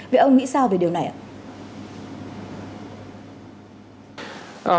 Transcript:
vậy ông nghĩ sao về điều này ạ